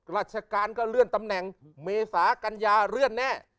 ราชการก็เลื่อนตำแหน่งเมษากัญญาเลื่อนแน่